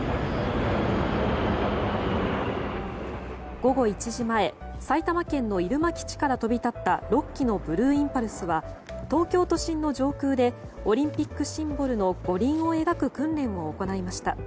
午後１時前埼玉県の入間基地から飛び立った６機のブルーインパルスは東京都心の上空でオリンピックシンボルの五輪を描く訓練を行いました。